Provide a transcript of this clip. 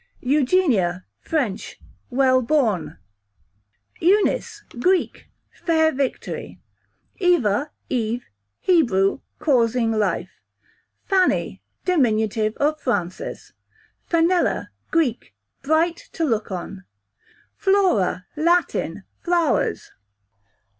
Eugenia, French, well born. Eunice, Greek, fair victory. Eva / Eve, Hebrew, causing life. Fanny, diminutive of Frances, q.v. Fenella, Greek, bright to look on. Flora, Latin, flowers.